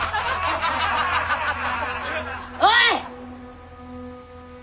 おい！